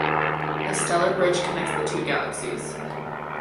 A stellar bridge connects the two galaxies.